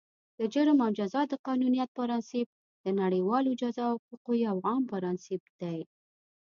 د جرم او جزا د قانونیت پرانسیپ، د نړیوالو جزا حقوقو یو عام پرانسیپ دی.